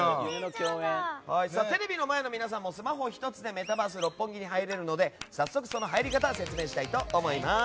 テレビの前の皆さんもスマホ１つでメタバース六本木に入れるので早速その入り方説明したいと思います。